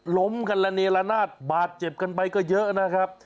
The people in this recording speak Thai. ล้มกันระเนละนาดบาดเจ็บกันไปก็เยอะนะครับ